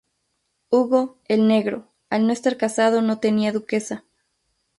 Hugo "el Negro", al no estar casado, no tenía duquesa.